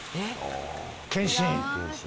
検診。